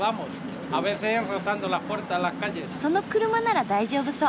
その車なら大丈夫そう。